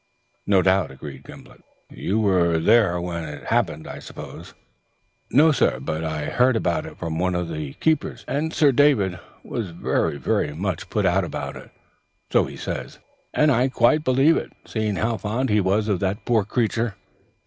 "No doubt," agreed Gimblet. "You weren't there when it happened, I suppose?" "No, sir, but I heard about it from one of the keepers, and Sir David was very much put out about it, so he says; and I quite believe it, seeing how fond he was of the poor creature.